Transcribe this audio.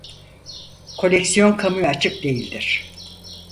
Koleksiyon kamuya açık değildir.